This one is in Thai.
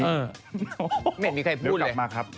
ไม่เห็นมีใครพูดเลย